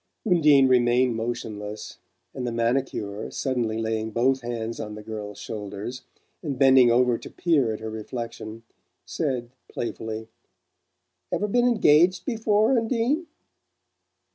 Undine remained motionless, and the manicure, suddenly laying both hands on the girl's shoulders, and bending over to peer at her reflection, said playfully: "Ever been engaged before, Undine?"